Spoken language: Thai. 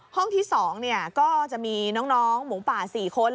ห้องที่๒ก็จะมีน้องหมูป่า๔คน